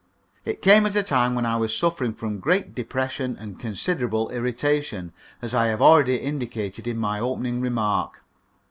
It came at a time when I was suffering from great depression and considerable irritation, as I have already indicated in my opening remark.